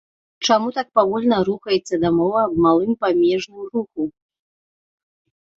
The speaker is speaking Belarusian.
Чаму так павольна рухаецца дамова аб малым памежным руху?